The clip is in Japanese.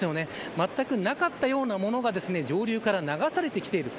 まったくなかったようなものが上流から流されてきています。